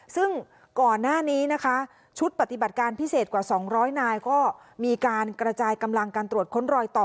ซึ่งก่อนหน้านี้นะคะชุดปฏิบัติการพิเศษกว่า๒๐๐นายก็มีการกระจายกำลังการตรวจค้นรอยต่อ